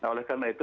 nah oleh karena itu